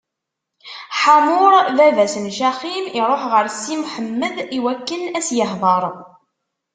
Ḥamur, baba-s n Caxim, iṛuḥ ɣer Si Mḥemmed iwakken ad s-ihdeṛ.